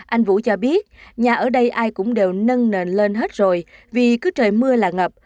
anh vũ cho biết nhà ở đây ai cũng đều nâng nền lên hết rồi vì cứ trời mưa là ngập